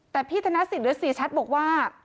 แต่พี่ธนสิทธิ์หรือเสียชัดบอกว่า